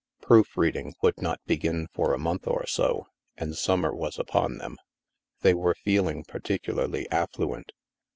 Proof reading would not begin for a month or so, and summer was upon them. They were feel ing particularly affluent.